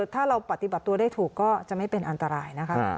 ถ้าเราปฏิบัติตัวได้ถูกก็จะไม่เป็นอันตรายนะคะ